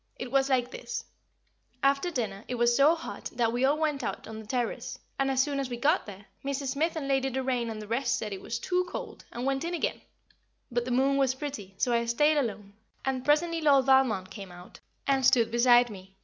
It was like this: After dinner it was so hot that we all went out on the terrace, and, as soon as we got there, Mrs. Smith and Lady Doraine and the rest said it was too cold, and went in again; but the moon was pretty, so I stayed alone, and presently Lord Valmond came out, and stood beside me.